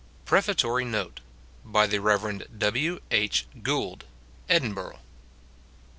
PREFATORY NOTE, BY THE REV.W. H. QOOLD, EDINBUKGH.